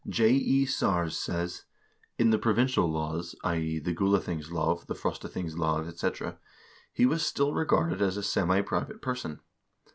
J. E. Sars says: " In the provincial laws (i.e. the Gulathingslov, the Frostathingslov, etc.) he was still regarded as a semi private person.